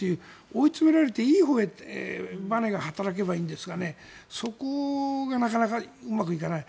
追い詰められて、いいほうへばねが働けばいいんですがそこがなかなかうまくいかない。